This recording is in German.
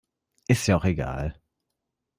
Ist ja auch egal.